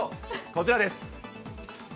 こちらです。